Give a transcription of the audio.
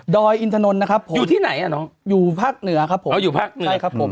ดอยอินทนนท์นะครับอยู่ที่ไหนอ่ะน้องอยู่ภาคเหนือครับผมอ๋ออยู่ภาคเหนือใช่ครับผม